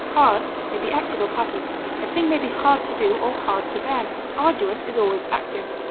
Hard may be active or passive; a thing may be hard to do or hard to bear. Arduous is always active.